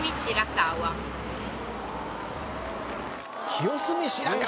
清澄白河。